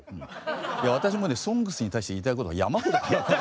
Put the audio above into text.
いや私もね「ＳＯＮＧＳ」に対して言いたいことが山ほど。